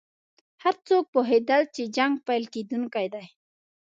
هر څوک پوهېدل چې جنګ پیل کېدونکی دی.